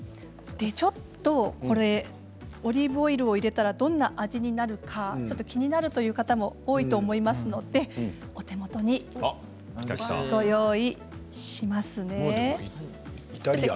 オリーブオイルを入れたらどんな味になるか気になるという方も多いと思いますのでお手元に、ご用意しました。